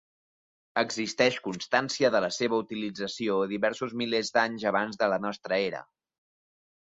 Existeix constància de la seva utilització, diversos milers d'anys abans de la nostra era.